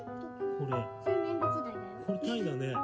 これタイだね。